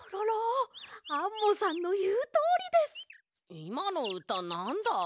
いまのうたなんだ？